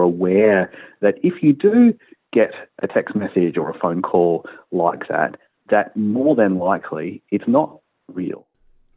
dan lebih banyak orang yang melakukan ini adalah orang orang yang tidak melakukan itu